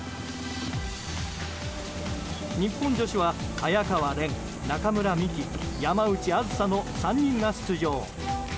日本女子は早川漣中村美樹、山内梓の３人が出場。